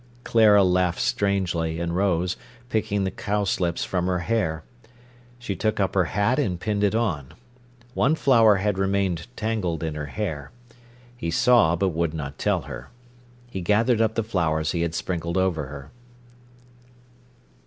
Clara laughed strangely, and rose, picking the cowslips from her hair. She took up her hat and pinned it on. One flower had remained tangled in her hair. He saw, but would not tell her. He gathered up the flowers he had sprinkled over her.